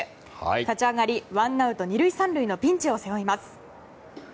立ち上がりワンアウト２塁３塁のピンチを背負います。